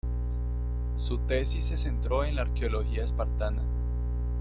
Su tesis se centró en la arqueología espartana.